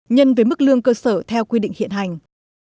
nhân với mức lương cơ sở theo quy định hiện hành